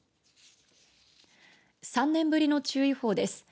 ３年ぶりの注意報です。